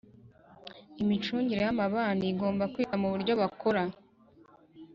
Imicungire y amabani igomba kwita mu buryo bakora